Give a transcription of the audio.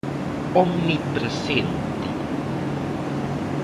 Omnipresente.